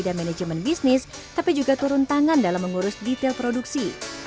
dan manajemen bisnis tapi juga turun tangan dalam mengurus detail produksi